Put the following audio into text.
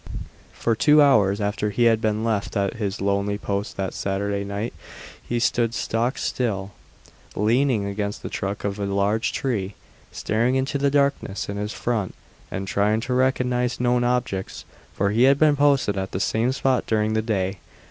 For two hours after he had been left at his lonely post that Saturday night he stood stock still, leaning against the trunk of a large tree, staring into the darkness in his front and trying to recognize known objects; for he had been posted at the same spot during the day.